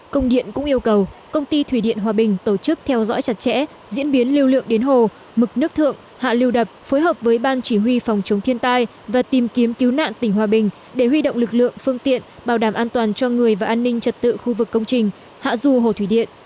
công điện cũng yêu cầu công ty thủy điện hòa bình tổ chức theo dõi chặt chẽ diễn biến lưu lượng đến hồ mực nước thượng hạ lưu đập phối hợp với ban chỉ huy phòng chống thiên tai và tìm kiếm cứu nạn tỉnh hòa bình để huy động lực lượng phương tiện bảo đảm an toàn cho người và an ninh trật tự khu vực công trình hạ du hồ thủy điện